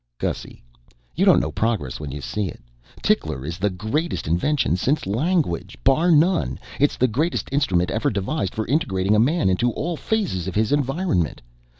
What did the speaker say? "Gussy, you don't know progress when you see it. Tickler is the greatest invention since language. Bar none, it's the greatest instrument ever devised for integrating a man into all phases of his environment.